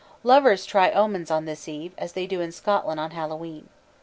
_] Lovers try omens on this eve, as they do in Scotland on Hallowe'en.